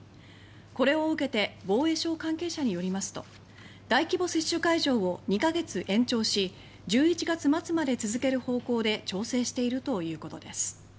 これを受けて防衛省関係者によりますと大規模接種会場を２カ月延長し１１月末まで続ける方向で調整しているということです。